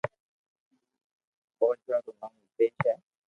پوچوا رو نوم نيتيس ھي